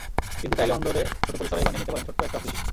কিন্তু চাইলে অন্দরে ছোট পরিসরেই বানিয়ে নিতে পারেন ছোট্ট একটা অফিস।